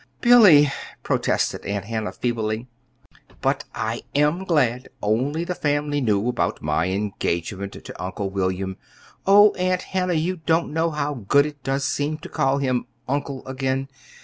"Billy!" protested Aunt Hannah, feebly. "But I am glad only the family knew about my engagement to Uncle William oh, Aunt Hannah, you don't know how good it does seem to call him 'Uncle' again.